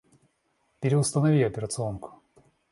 Переустанови операционку.